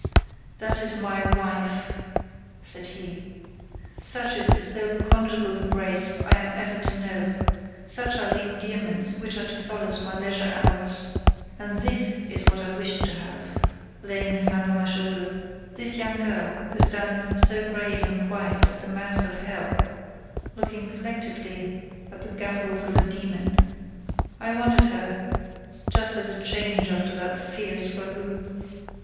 "That is my wife," said he. "Such is the sole conjugal embrace I am ever to know—such are the endearments which are to solace my leisure hours! And this is what I wished to have" (laying his hand on my shoulder): "this young girl, who stands so grave and quiet at the mouth of hell, looking collectedly at the gambols of a demon, I wanted her just as a change after that fierce ragout.